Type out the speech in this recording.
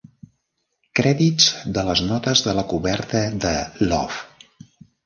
Crèdits de les notes de la coberta de Love.